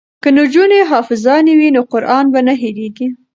که نجونې حافظانې وي نو قران به نه هیریږي.